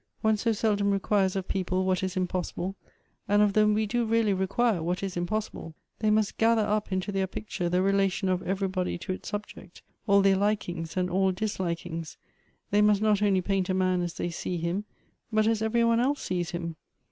One so seldom requires of people what is impossible and of them we do really require what is impossible ; they must gather up into their picture the relation of every body to its subject, all their likings and all dislikings ; they must not only p.iint a man as they see him, but as every one else sees him.